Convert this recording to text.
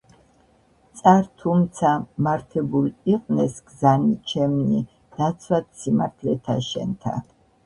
წარ-თუ-მცა-მართებულ იყვნეს გზანი ჩემნი დაცვად სიმართლეთა შენთა.